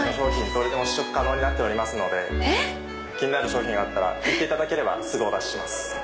どれでも試食可能になっておりますので気になる商品があったらすぐお出しします。